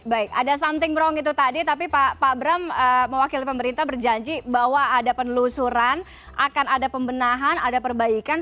baik ada something wrong itu tadi tapi pak bram mewakili pemerintah berjanji bahwa ada penelusuran akan ada pembenahan ada perbaikan